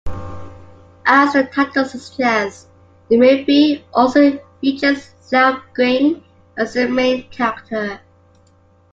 As the title suggests, the movie also features Xiaoqing as the main character.